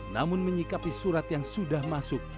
namun menyikapi surat yang sudah masuk